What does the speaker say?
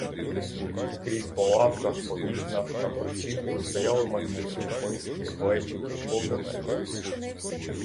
Скрізь по лавках, по вікнах, на припічку стояли макітри, миски, глечики, повні меду.